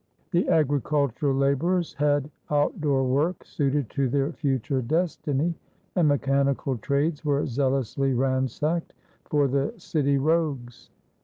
The agricultural laborers had out door work suited to their future destiny, and mechanical trades were zealously ransacked for the city rogues.